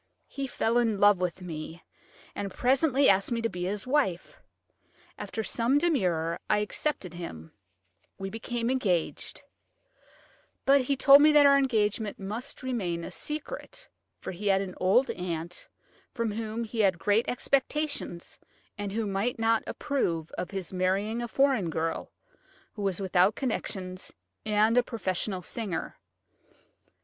He fell in love with me, and presently he asked me to be his wife. After some demur, I accepted him; we became engaged, but he told me that our engagement must remain a secret, for he had an old aunt from whom he had great expectations, and who might not approve of his marrying a foreign girl, who was without connections and a professional singer.